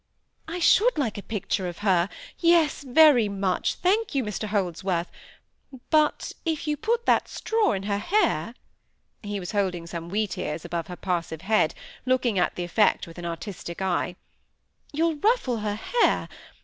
"I should like a picture of her; yes, very much, thank you, Mr Holdsworth; but if you put that straw in her hair," (he was holding some wheat ears above her passive head, looking at the effect with an artistic eye,) "you'll ruffle her hair.